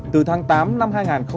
từ tháng tám năm hai nghìn một mươi tám